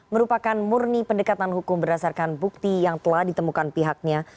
merupakan murni pendekatan hukum berdasarkan bukti yang telah ditemukan pihaknya